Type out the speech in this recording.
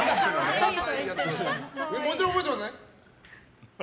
もちろん覚えてますね？